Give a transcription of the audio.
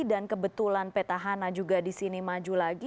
dan kebetulan petahana juga disini maju lagi